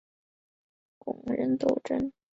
工人斗争是法国的一个托洛茨基主义政党。